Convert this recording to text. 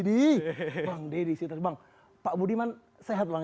ini nih pak budiman sehat goyang